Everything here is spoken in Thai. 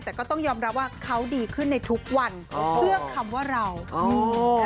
แต่ก็ต้องยอมรับว่าเขาดีขึ้นในทุกวันเพื่อคำว่าเราอืม